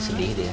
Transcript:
masih sedih dia